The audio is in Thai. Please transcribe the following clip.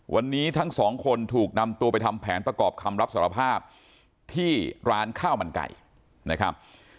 วันนี้ทั้งสองคนถูกนำตัวไปทำแผนประกอบคำรับสารภาพที่ร้านข้าวมันไก่นะครับ